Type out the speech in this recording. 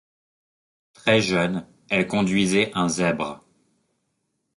Très jeune, elle conduisait un Zèbre.